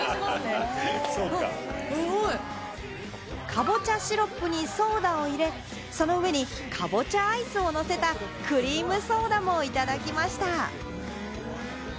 カボチャシロップにソーダを入れ、その上にカボチャアイスをのせたクリームソーダもいただきました。